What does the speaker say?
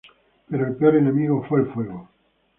Pero el peor enemigo fue el fuego.